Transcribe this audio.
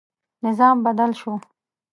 نظام بدل شو.